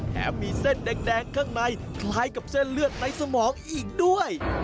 แถมมีเส้นแดงข้างในคล้ายกับเส้นเลือดในสมองอีกด้วย